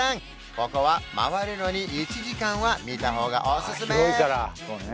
ここは回るのに１時間は見た方がおすすめ！